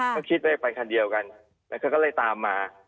ก็คิดว่าไปคันเดียวกันแล้วเขาก็เลยตามมา